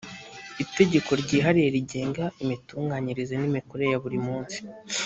itegeko ryihariye rigenga imitunganyirize n imikorere ya buri munsi